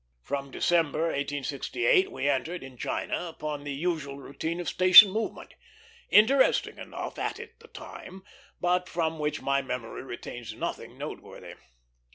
From December, 1868, we entered in China upon the usual routine of station movement; interesting enough at the time, but from which my memory retains nothing noteworthy.